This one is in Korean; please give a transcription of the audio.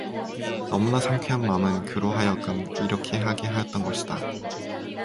너무나 상쾌한 맘은 그로 하여금 이렇게 하게 하였던 것이다.